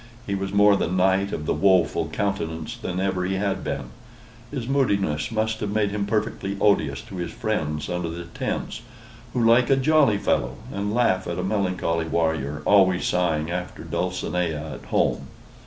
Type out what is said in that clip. He was more the Knight of the Woful Countenance than ever he had been. His moodiness must have made him perfectly odious to his friends under the tents, who like a jolly fellow, and laugh at a melancholy warrior always sighing after Dulcinea at home.